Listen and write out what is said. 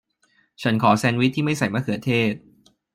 ฉันขอแซนด์วิชที่ไม่ใส่มะเขือเทศ